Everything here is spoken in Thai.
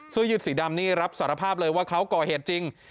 ยืดสีดำนี่รับสารภาพเลยว่าเขาก่อเหตุจริง